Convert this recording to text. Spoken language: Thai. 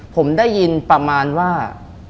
ผมได้ยินประมาณว่า